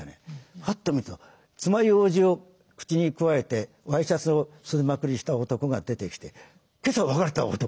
ふっと見るとつまようじを口にくわえてワイシャツを袖まくりした男が出てきて今朝別れた男。